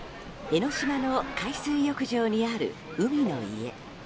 江の島の海水浴場にある海の家。